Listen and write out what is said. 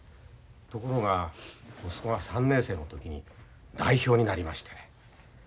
ところが息子が３年生の時に代表になりましてね。